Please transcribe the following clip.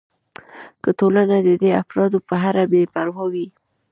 که ټولنه د دې افرادو په اړه بې پروا وي.